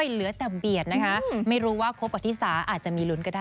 เหลือแต่เบียดนะคะไม่รู้ว่าคบกับที่สาอาจจะมีลุ้นก็ได้